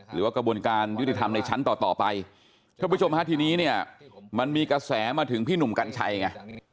หรือว่ากระบวนการยุติธรรมในชั้นต่อต่อไปท่านผู้ชมฮะทีนี้เนี่ยมันมีกระแสมาถึงพี่หนุ่มกัญชัยไง